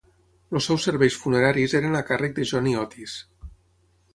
Els seus serveis funeraris eren a càrrec de Johnny Otis.